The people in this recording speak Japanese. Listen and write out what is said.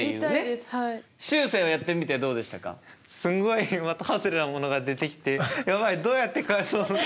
すっごい的外れなものが出てきて「やばいどうやって返そう」って。